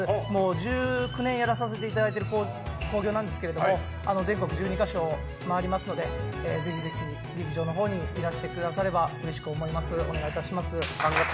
１９年やらせていただいている興行なんですけど全国１２か所を回りますのでぜひ劇場のほうにいらしてくださればと思います。